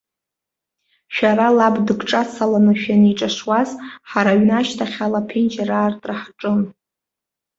Шәара лаб дыгҿацаланы шәаниҿашуаз, ҳара аҩны ашьҭахь ала аԥенџьыр аартра ҳаҿын.